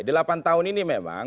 delapan tahun ini memang